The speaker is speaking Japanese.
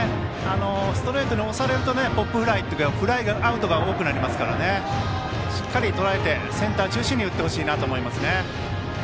ストレートに押されるとポップフライというかフライアウトが多くなりますからしっかりとらえてセンター中心に打ってほしいと思います。